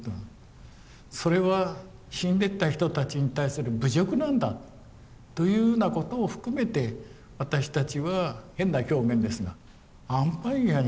それは死んでった人たちに対する侮辱なんだというふうなことを含めて私たちは変な表現ですがアンパイアにならなきゃいけない。